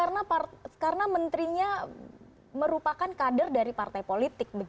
karena menterinya merupakan kader dari partai politik